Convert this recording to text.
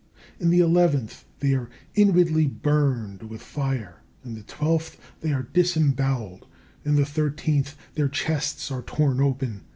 In the eleventh, they are inwardly burned with fire. In the twelfth, they are disembowelled. In the thirteenth, their chests are torn open.